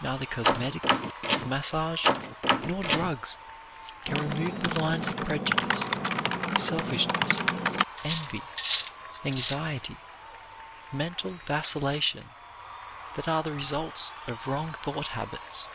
Neither cosmetics, massage, nor drugs can remove the lines of prejudice, selfishness, envy, anxiety, mental vacillation that are the results of wrong thought habits.